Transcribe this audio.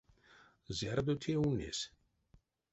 Зярдо те ульнесь?